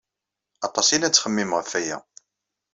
Aṭas i la nettxemmim ɣef aya.